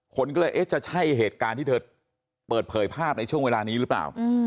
คนก็เลยเอ๊ะจะใช่เหตุการณ์ที่เธอเปิดเผยภาพในช่วงเวลานี้หรือเปล่า